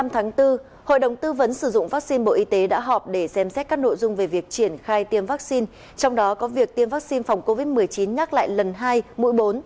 một mươi tháng bốn hội đồng tư vấn sử dụng vaccine bộ y tế đã họp để xem xét các nội dung về việc triển khai tiêm vaccine trong đó có việc tiêm vaccine phòng covid một mươi chín nhắc lại lần hai mũi bốn